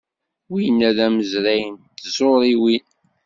Winna d amazray n tẓuriwin.